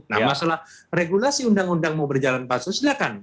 nah masalah regulasi undang undang mau berjalan pansus silahkan